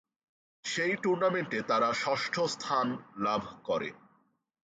সেই টুর্নামেন্টে তারা ষষ্ঠ স্থান লাভ করে।